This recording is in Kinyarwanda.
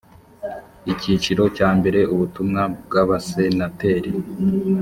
icyiciro cya mbere ubutumwa bw abasenateri